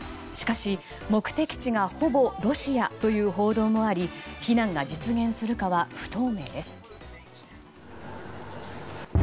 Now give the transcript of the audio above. しかし、目的地がほぼロシアという報道もあり避難が実現するかは不透明です。